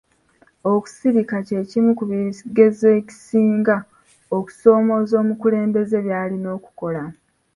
Okusirika kye kimu ku bigezeso ebisinga okusoomooza omukulembeze by'alina okukola.